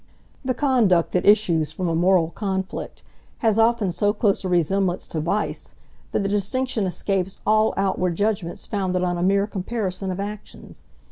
The conduct that issues from a moral conflict has often so close a resemblance to vice that the distinction escapes all outward judgments founded on a mere comparison of actions.